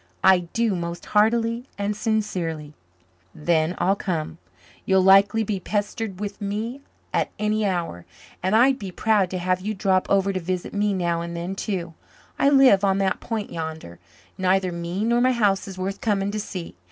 "I do, most heartily and sincerely." "Then I'll come. You'll likely be pestered with me at any hour. And I'd be proud to have you drop over to visit me now and then too. I live on that point yander. Neither me nor my house is worth coming to see.